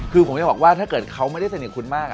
คือผมจะบอกว่าถ้าเกิดเขาไม่ได้สนิทคุณมาก